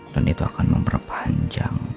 dan itu akan memperpanjang